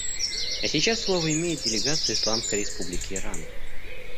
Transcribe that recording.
А сейчас слово имеет делегация Исламской Республики Иран.